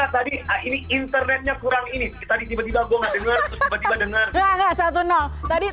tadi internetnya kurang ini tadi tiba tiba gue gak dengar terus tiba tiba dengar